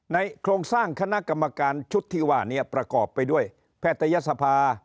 โครงสร้างคณะกรรมการชุดที่ว่านี้ประกอบไปด้วยแพทยศภา